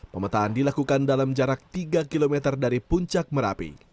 pemetaan dilakukan dalam jarak tiga km dari puncak merapi